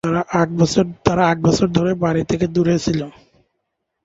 তারা আট বছর ধরে বাড়ি থেকে দূরে ছিল।